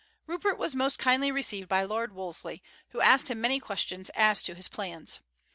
Rupert was most kindly received by Lord Wolseley, who asked him many questions as to his plans.